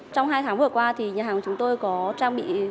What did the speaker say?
trong hai tháng vừa qua thì nhà hàng của chúng tôi có trang bị